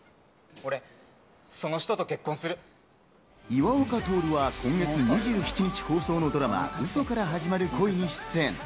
岩岡徹は今月２７日放送のドラマ『嘘から始まる恋』に出演。